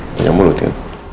jangan mulut ya